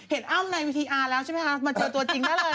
เห็นอ้ำในวิทยาแล้วมาเจอตัวจริงกันได้เลย